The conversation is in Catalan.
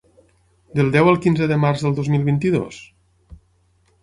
Del deu al quinze de març del dos mil vint-i-dos?